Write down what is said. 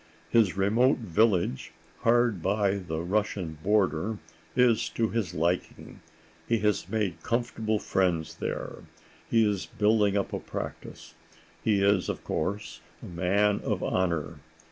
His remote village, hard by the Russian border, is to his liking; he has made comfortable friends there; he is building up a practice. He is, of course, a man of honor.